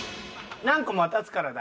何個も渡すからだ。